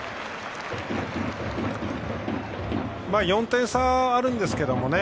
４点差あるんですけどね